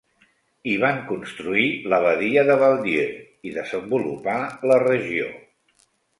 Hi van construir l'abadia de Val-Dieu i desenvolupar la regió.